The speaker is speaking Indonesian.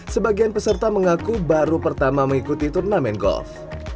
sebagian peserta mengaku baru pertama mengikuti turnamen golf